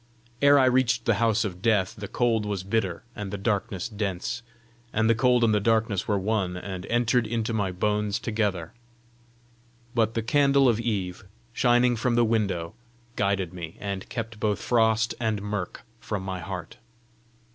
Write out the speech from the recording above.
Ere I reached the house of death, the cold was bitter and the darkness dense; and the cold and the darkness were one, and entered into my bones together. But the candle of Eve, shining from the window, guided me, and kept both frost and murk from my heart.